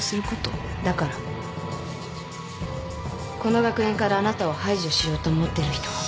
だからこの学園からあなたを排除しようと思ってる人は。